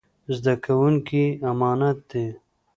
زده کوونکي يې امانت دي.